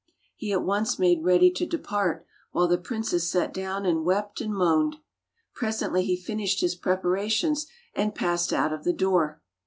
He at once made ready to depart while the princess sat down and wept and moaned. Presently he finished his preparations and passed out of the door.